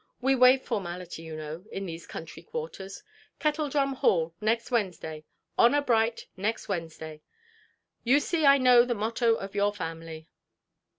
We waive formality, you know, in these country quarters. Kettledrum Hall, next Wednesday—honour bright, next Wednesday! You see I know the motto of your family".